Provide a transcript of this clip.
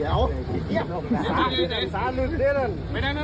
เราควรมาทำนี้